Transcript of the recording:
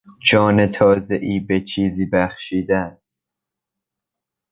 جان تازهای به چیزی بخشیدن